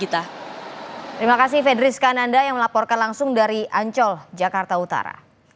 terima kasih fedris kananda yang melaporkan langsung dari ancol jakarta utara